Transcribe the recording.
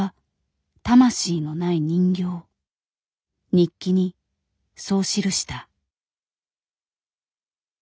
日記にそう記した。